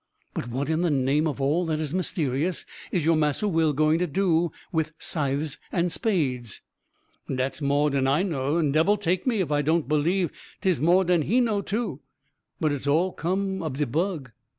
"But what, in the name of all that is mysterious, is your 'Massa Will' going to do with scythes and spades?" "Dat's more dan I know, and debbil take me if I don't b'lieve 'tis more dan he know, too. But it's all cum ob de bug."